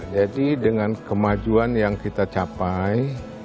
jadi dengan kemajuan yang kita capai